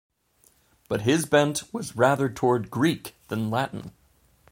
But his bent was rather toward Greek than Latin.